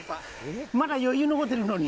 まだ余裕残ってるのに。